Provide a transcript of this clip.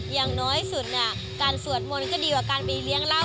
อย่างน้อยสุดเนี่ยการสวดมนต์ก็ดีกว่าการมีเลี้ยงเหล้า